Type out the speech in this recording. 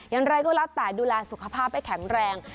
อย่างไรรับสายดูแลสุขภาพให้แข็งแรง